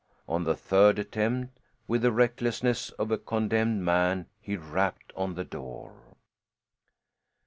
On the third attempt, with the recklessness of a condemned man, he rapped on the door.